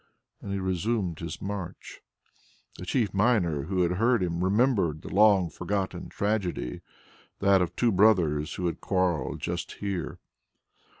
And he resumed his march. The chief miner who had heard him remembered a long forgotten tragedy, that of two brothers who had quarrelled just here.